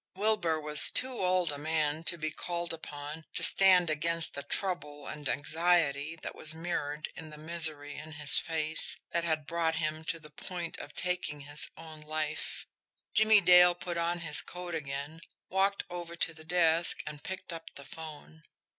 Wilbur was too old a man to be called upon to stand against the trouble and anxiety that was mirrored in the misery in his face, that had brought him to the point of taking his own life. Jimmie Dale put on his coat again, walked over to the desk, and picked up the 'phone.